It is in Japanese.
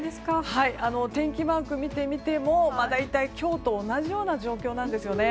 天気マークを見てみても大体、今日と同じような状況なんですよね。